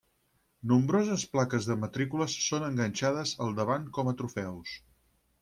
Nombroses plaques de matrícules són enganxades al davant com a trofeus.